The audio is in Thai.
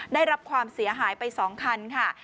ได้รับความเสียหายไป๒คันค่ะ